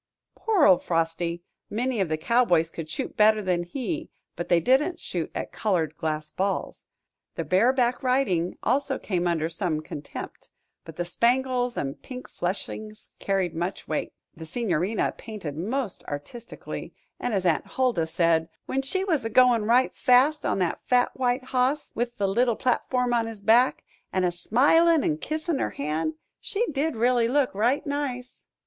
Poor old Frosty! Many of the cowboys could shoot better than he; but they didn't shoot at colored glass balls. The bareback riding also came under some contempt; but the spangles and pink fleshings carried much weight, the Signorina painted most artistically, and, as Aunt Huldah said, "When she was a goin' right fast on that fat white hoss, with the little platform on his back, an' a smilin' an' kissin' her hand, she did really look right nice."